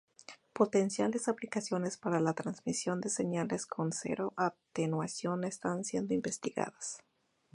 Potenciales aplicaciones para la transmisión de señales con cero atenuación están siendo investigadas.